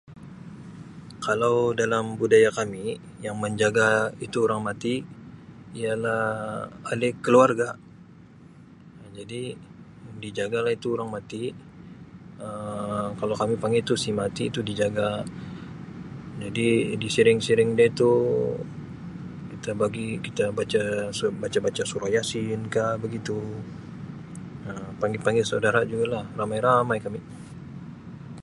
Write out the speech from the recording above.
Kalau dalam budaya kami yang menjaga itu orang mati ialah ahli keluarga. Um Jadi dijaga laitu orang mati. Um Kalau kamu panggil itu si mati itu dijaga. Jadi, di siring-siring dia tu kita bagi- kita baca- baca-baca surah Yasin ka begitu. Um Panggil-panggil saudara juga la. Ramai-ramai kami.